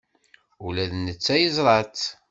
Ula d netta yeẓra-tt.